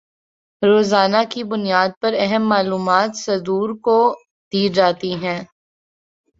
روزانہ کی بنیاد پر اہم معلومات صدور کو دی جاتی تھیں